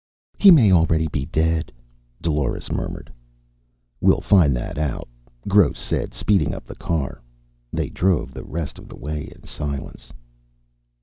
"He may already be dead," Dolores murmured. "We'll find that out," Gross said speeding up the car. They drove the rest of the way in silence.